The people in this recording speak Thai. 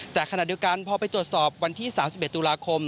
แต่ขณะเดียวกันพอไปตรวจสอบวันที่๓๑ตุลาคม